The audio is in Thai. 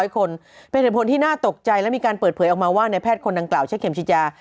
คนเป็นเหตุผลที่น่าตกใจและมีการเปิดเผยออกมาว่าในแพทย์คนดังกล่าวเช็คเข็มชิจา